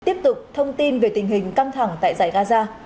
tiếp tục thông tin về tình hình căng thẳng tại giải gaza